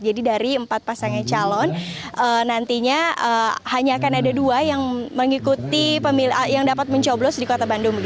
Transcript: jadi dari empat pasangan calon nantinya hanya akan ada dua yang dapat mencoblos di kota bandung